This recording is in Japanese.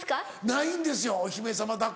ないんですよお姫様抱っこ。